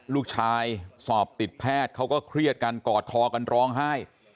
ลูกชายสอบติดแพทย์เขาก็เครียดกันกอดคอกันร้องไห้